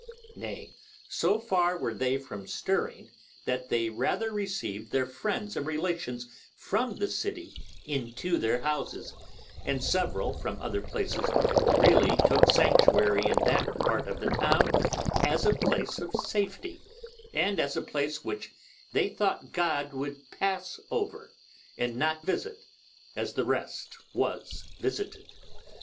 Nay, so far were they from stirring that they rather received their friends and relations from the city into their houses, and several from other places really took sanctuary in that part of the town as a Place of safety, and as a place which they thought God would pass over, and not visit as the rest was visited.